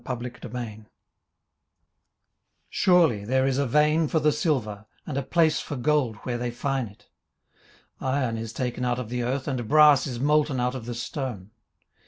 18:028:001 Surely there is a vein for the silver, and a place for gold where they fine it. 18:028:002 Iron is taken out of the earth, and brass is molten out of the stone.